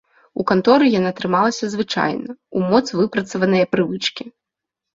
У канторы яна трымалася звычайна, у моц выпрацаванае прывычкі.